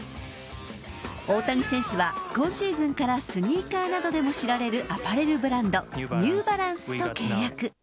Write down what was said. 大谷選手は今シーズンからスニーカーなどでも知られるアパレルブランドニューバランスと契約。